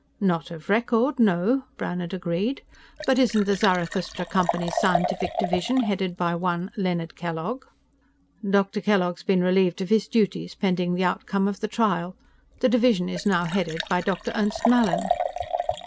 "Not of record, no," Brannhard agreed. "But isn't the Zarathustra Company's scientific division headed by one Leonard Kellogg?" "Dr. Kellogg's been relieved of his duties, pending the outcome of the trial. The division is now headed by Dr. Ernst Mallin."